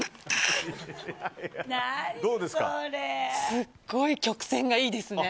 すごい、曲線がいいですね。